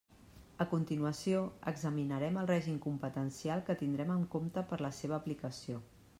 A continuació, examinarem el règim competencial que tindrem en compte per a la seva aplicació.